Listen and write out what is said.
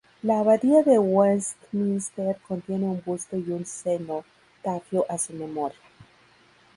La Abadía de Westminster contiene un busto y un cenotafio a su memoria.